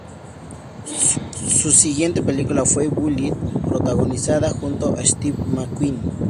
Su siguiente película fue "Bullitt", protagonizada junto a Steve McQueen.